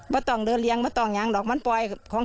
ว่าต้องเลือดเลี้ยงว่าต้องยางหลอก